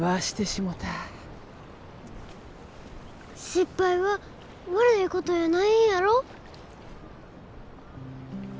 失敗は悪いことやないんやろ？